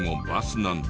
なんだ？